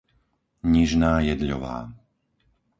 Nižná Jedľová